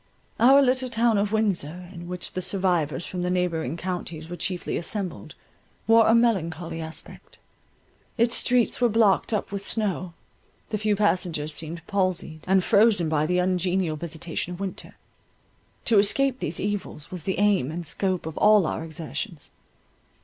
Our little town of Windsor, in which the survivors from the neighbouring counties were chiefly assembled, wore a melancholy aspect. Its streets were blocked up with snow—the few passengers seemed palsied, and frozen by the ungenial visitation of winter. To escape these evils was the aim and scope of all our exertions.